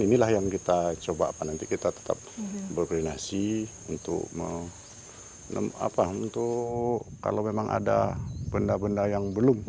inilah yang kita coba nanti kita tetap berkoordinasi untuk kalau memang ada benda benda yang belum